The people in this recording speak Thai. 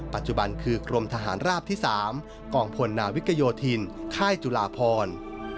ปัจจุบันคือกรมทหารราบที่๓กองพลนาวิกโยธินค่ายจุลาพร